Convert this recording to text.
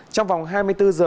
trong vòng hai mươi bốn giờ